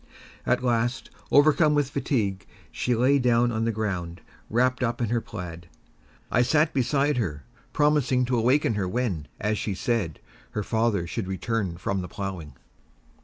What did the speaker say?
At last, overcome with fatigue, she lay down on the ground, wrapped up in her plaid. I sat beside her, promising to awaken her when, as she said, her "father should return from the ploughing."